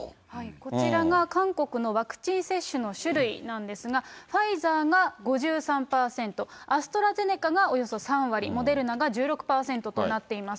こちらが韓国のワクチン接種の種類なんですが、ファイザーが５３％、アストラゼネカがおよそ３割、モデルナが１６％となっています。